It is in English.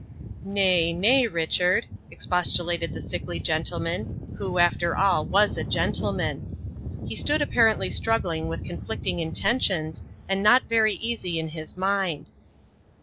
"Nay, nay, Richard," expostulated the sickly gentleman, who, after all, WAS a gentleman. He stood apparently struggling with conflicting intentions, and not very easy in his mind.